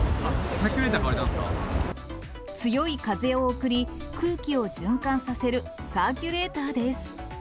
サーキュレーター買われたん強い風を送り、空気を循環させるサーキュレーターです。